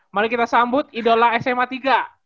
mari kita sambut idola sma tiga